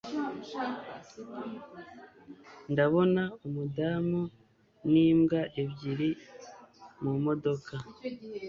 Ndabona umudamu n'imbwa ebyiri mumodoka.